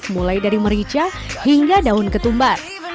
mulai dari merica hingga daun ketumbar